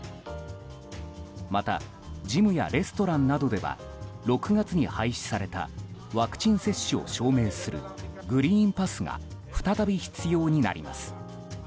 またジムやレストランなどでは６月に廃止されたワクチン接種を証明するグリーンパスが再び必要になります。